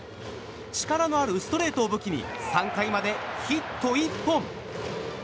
力のあるストレートを武器に３回までヒット１本。